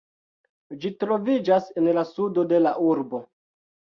Ĝi troviĝas en la sudo de la urbo.